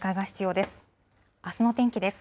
あすの天気です。